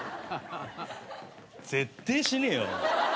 絶対しねえよ。